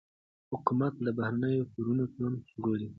حکومت له بهرنیو پورونو ځان ژغوري.